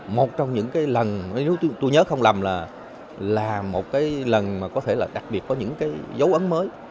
một trong những cái lần tôi nhớ không lầm là là một cái lần có thể là đặc biệt có những cái dấu ấn mới